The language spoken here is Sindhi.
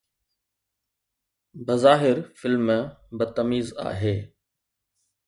بظاهر فلم بدتميز آهي